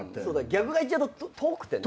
逆側行っちゃうと遠くてね。